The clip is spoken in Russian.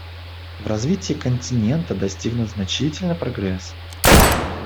В развитии континента достигнут значительный прогресс.